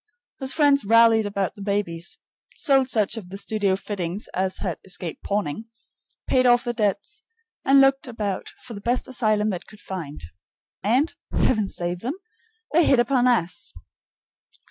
His friends rallied about the babies, sold such of the studio fittings as had escaped pawning, paid off the debts, and looked about for the best asylum they could find. And, Heaven save them! they hit upon us!